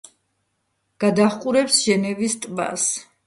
გადაჰყურებს ჟენევის ტბას.